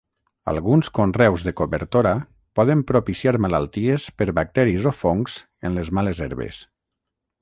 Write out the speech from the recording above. Alguns conreus de cobertora poden propiciar malalties per bacteris o fongs en les males herbes.